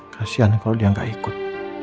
kasian kalau dia nggak ikut